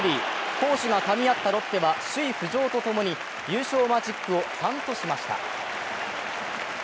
攻守がかみ合ったロッテは首位浮上とともに優勝マジックを３としました。